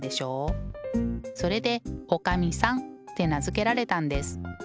それでおかみさんって名付けられたんです。